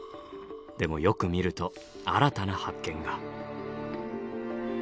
でもよく見ると新たな発見が。